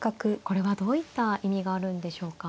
これはどういった意味があるんでしょうか。